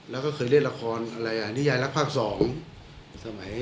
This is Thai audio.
แล้วก็เคยเล่นละครนิยายลักษณ์ภาค๒